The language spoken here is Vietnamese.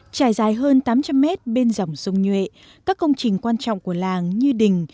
trải dài hơn tám trăm linh mét bên dòng sông nhuệ các công trình quan trọng của làng như đình